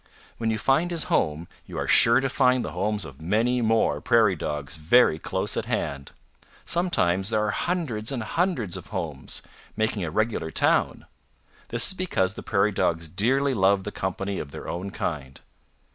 When you find his home you are sure to find the homes of many more Prairie Dogs very close at hand. Sometimes there are hundreds and hundreds of homes, making a regular town. This is because the Prairie Dogs dearly love the company of their own kind."